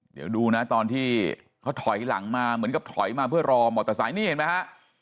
เดี๋ยวดูนะตอนที่เขาถอยหลังมาเหมือนกับถอยมาเพื่อรอมอเตอร์ไซค์นี่เห็นไหมฮะ